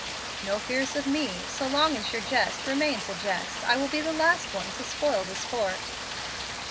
"No fears of me. So long as your jest remains a jest, I will be the last one to spoil the sport."